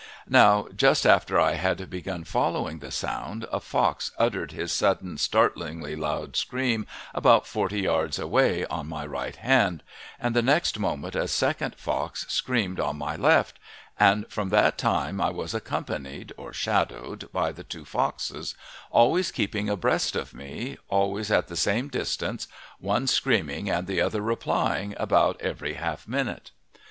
Now, just after I had begun following the sound, a fox uttered his sudden, startlingly loud scream about forty yards away on my right hand, and the next moment a second fox screamed on my left, and from that time I was accompanied, or shadowed, by the two foxes, always keeping abreast of me, always at the same distance, one screaming and the other replying about every half minute.